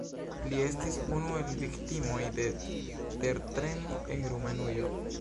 Li estis unu el viktimoj de tertremo en Rumanujo.